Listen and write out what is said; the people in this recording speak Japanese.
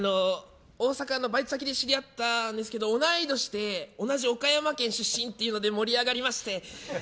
大阪のバイト先で知り合ったんですけど同い年で同じ岡山県出身というので盛り上がりまして。